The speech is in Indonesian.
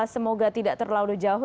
semoga tidak terlalu jauh